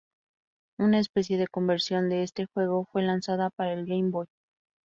Una "especie" de conversión, de este juego fue lanzada para el Game Boy.